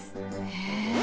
へえ！